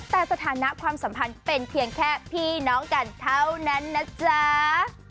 แต่สถานะความสัมพันธ์เป็นเพียงแค่พี่น้องกันเท่านั้นนะจ๊ะ